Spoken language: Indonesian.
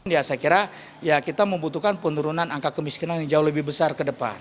ya saya kira ya kita membutuhkan penurunan angka kemiskinan yang jauh lebih besar ke depan